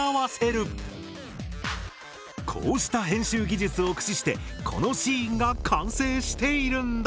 こうした編集技術を駆使してこのシーンが完成しているんだ。